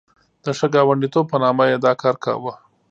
د ښه ګاونډیتوب په نامه یې دا کار کاوه.